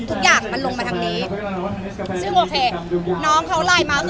ทุกอย่างมันลงมาทางนี้ซึ่งนะคะน้องเขาร้ายมาก็คือ